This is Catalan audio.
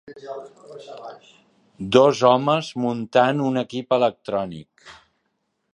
Dos homes muntant un equip electrònic